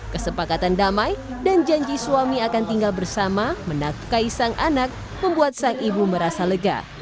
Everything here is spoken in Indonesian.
kesepakatan damai dan janji suami akan tinggal bersama menaklukai sang anak membuat sang ibu merasa lega